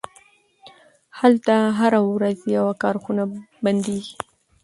هلته هره ورځ یوه کارخونه بندیږي